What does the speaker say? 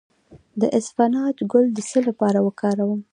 د اسفناج ګل د څه لپاره وکاروم؟